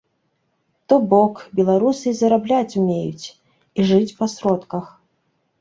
То бок, беларусы і зарабляць умеюць, і жыць па сродках.